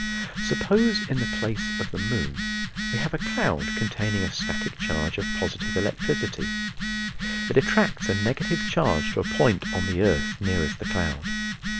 Suppose in the place of the moon we have a cloud containing a static charge of positive electricity it attracts a negative charge to a point on the earth nearest the cloud.